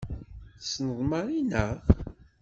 Tessneḍ Mary, naɣ?